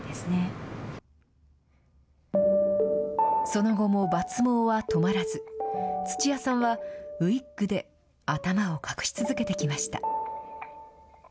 その後も抜毛は止まらず、土屋さんは、ウィッグで頭を隠し続けてきました。